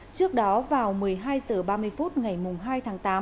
trước đó vào một mươi hai h ba mươi phút ngày hai tháng tám